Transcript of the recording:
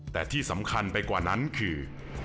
แต่ที่สำคัญไปกว่านั้นคือ